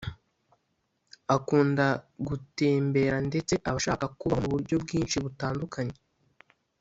akunda gutemberandetse aba ashaka kubaho mu buryo bwinshi butandukanye